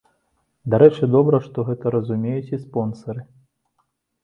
Дарэчы, добра, што гэта разумеюць і спонсары.